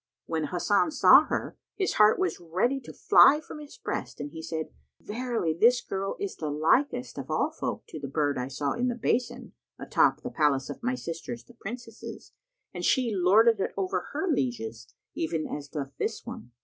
When Hasan saw her, his heart was ready to fly from his breast and he said, "Verily this girl is the likest of all folk to the bird I saw in the basin atop of the palace of my sisters the Princesses, and she lorded it over her lieges even as doth this one."